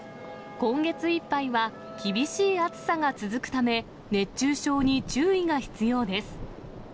今月いっぱいは厳しい暑さが続くため、熱中症に注意が必要です。